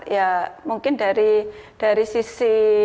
ya mungkin dari sisi